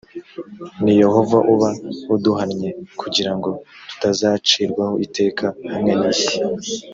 ni yehova uba uduhannye kugira ngo tutazacirwaho iteka hamwe n isi